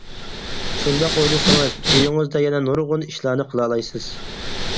شۇنداق ئويلىسىڭىز، ئۆيىڭىزدە يەنە نۇرغۇن ئىشلارنى قىلالايسىز.